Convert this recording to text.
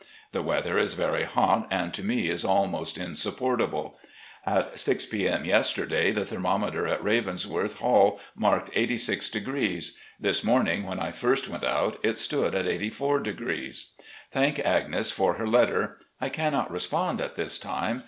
The weather is very hot and to me is almost insupportable. At 6 :oo p. m. yesterday, the thermometer in Ravensworth hall marked 86°. This morning, when I first went out, it stood at 84°. Thank Agnes for her letter. I cannot respond at this time.